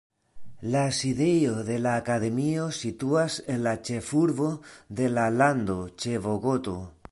La sidejo de la akademio situas en la ĉefurbo de la lando, ĉe Bogoto.